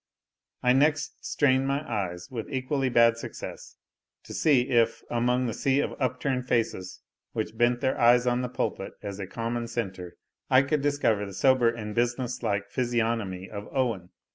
I next strained my eyes, with equally bad success, to see if, among the sea of up turned faces which bent their eyes on the pulpit as a common centre, I could discover the sober and business like physiognomy of Owen.